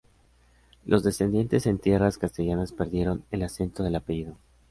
Los descendientes en tierras castellanas perdieron el acento del apellido.